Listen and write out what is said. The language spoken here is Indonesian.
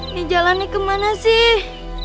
ini jalannya kemana sih